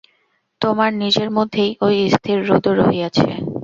তোমার নিজের মধ্যেই ঐ স্থির হ্রদ রহিয়াছে।